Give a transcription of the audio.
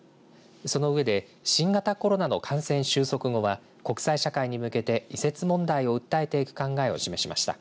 そのうえで新型コロナの感染収束後は国際社会に向けて移設問題を訴えていく考えを示しました。